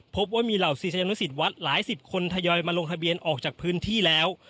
พบว่ามีเหล่าศิษยานุสิตวัดหลายสิบคนทยอยมาลงทะเบียนออกจากพื้นที่แล้ว